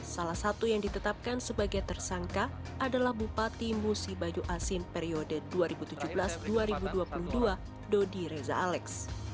salah satu yang ditetapkan sebagai tersangka adalah bupati musi bajo asin periode dua ribu tujuh belas dua ribu dua puluh dua dodi reza alex